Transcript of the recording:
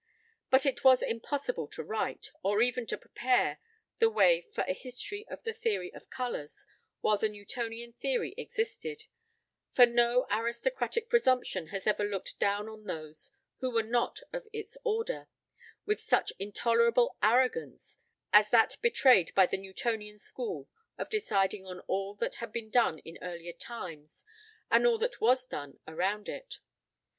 But it was impossible to write, or even to prepare the way for a history of the theory of colours while the Newtonian theory existed; for no aristocratic presumption has ever looked down on those who were not of its order, with such intolerable arrogance as that betrayed by the Newtonian school in deciding on all that had been done in earlier times and all that was done around it.